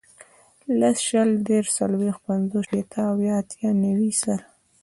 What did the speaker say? لس, شل, دېرش, څلوېښت, پنځوس, شپېته, اویا, اتیا, نوي, سل